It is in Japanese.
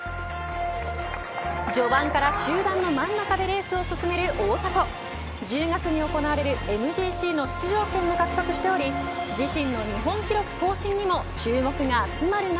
序盤から集団の真ん中でレースを進める大迫１０月に行われるＭＧＣの出場権も獲得しており自身の日本記録更新にも注目が集まる中。